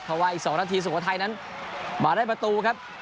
เพราะว่าอีก๒นาทีสุโขทัยนั้นมาได้ประตูครับ